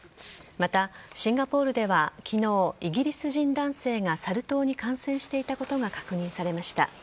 また、シンガポールでは昨日イギリス人男性がサル痘に感染していたことが確認されました。